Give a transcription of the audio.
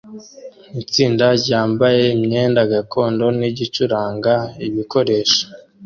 Itsinda ryambaye imyenda gakondo ni gucuranga ibikoresho